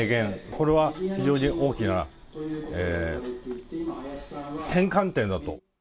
これは非常に大きな転換点だと。